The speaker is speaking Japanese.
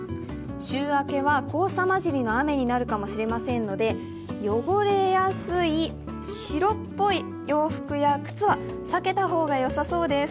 週明けは黄砂混じりの雨になるかもしれませんので汚れやすい白っぽい洋服や靴は避けた方が良さそうです。